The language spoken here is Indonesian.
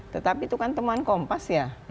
tetapi itu kan teman kompas ya